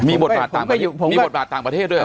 มีบทบาทต่างประเทศด้วยหรอ